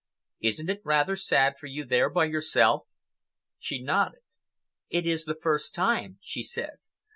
"Isn't it rather sad for you there by yourself?" She nodded. "It is the first time," she said.